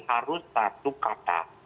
harus satu kata